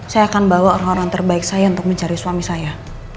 saya akan bawa orang orang terbaik saya untuk mencari suami saya